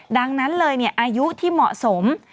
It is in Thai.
ดังนั้นเลยอายุที่เหมาะสม